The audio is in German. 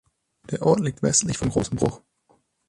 Der Ort liegt westlich vom Großen Bruch.